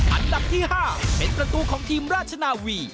อันดับที่๕เป็นประตูของทีมราชนาวี